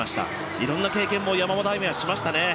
いろんな経験を山本亜美はしましたね。